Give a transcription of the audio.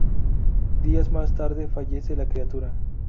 Días más tarde fallece la criatura.